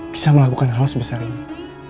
bisa melakukan hal sebesarnya